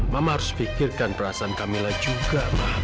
mama harus pikirkan perasaan kamila juga